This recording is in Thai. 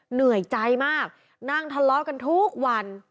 เหนื่อยใจมากนั่งทะเลาะกันทุกวัน